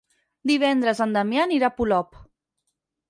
Divendres en Damià anirà a Polop.